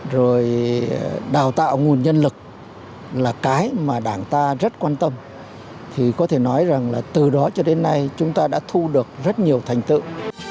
rồi đào tạo nguồn nhân lực là cái mà đảng ta rất quan tâm thì có thể nói rằng là từ đó cho đến nay chúng ta đã thu được rất nhiều thành tựu